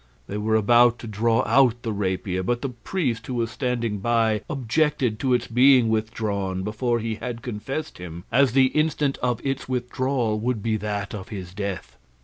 They were about to draw out the rapier, but the priest who was standing by objected to its being withdrawn before he had confessed him, as the instant of its withdrawal would be that of this death.